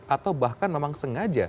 atau bahkan memang sengaja